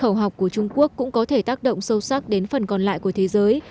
khẩu học của trung quốc cũng có thể tác động sâu sắc đến phần còn lại của thế giới